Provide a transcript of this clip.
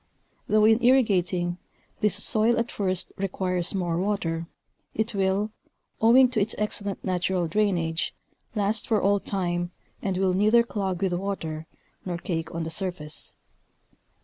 Though in irrigating, this soil at first requires more water, it will, owing to its excellent natural drainage, last for all time and will neither clog with water nor cake on the surface.